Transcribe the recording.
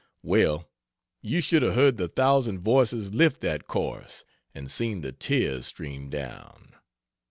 Well, you should have heard the thousand voices lift that chorus and seen the tears stream down.